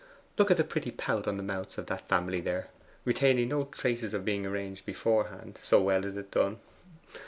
Look at the pretty pout on the mouths of that family there, retaining no traces of being arranged beforehand, so well is it done.